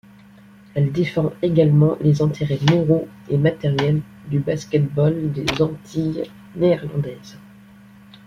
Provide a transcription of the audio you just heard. Elle défend également les intérêts moraux et matériels du basket-ball des Antilles néerlandaises.